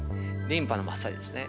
リンパのマッサージですね。